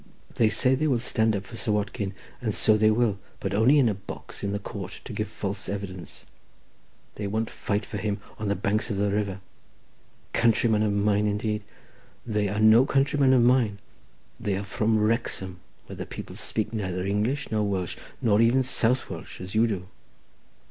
They say they will stand up for Sir Watkin, and so they will, but only in a box in the Court to give false evidence. They won't fight for him on the banks of the river. Countrymen of mine, indeed! they are no countrymen of mine; they are from Wrexham, where the people speak neither English nor Welsh, not even South Welsh as you do."